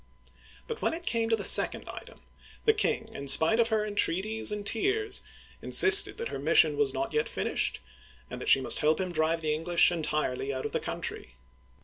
But when it came to the second item, the king, in spite of her entreaties and tears, insisted that her mission was not yet finished, and that she must help him drive the English entirely out of the country.